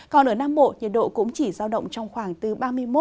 còn ở nam bộ nhiệt độ cũng chỉ giao động trong khoảng từ ba mươi một ba mươi ba độ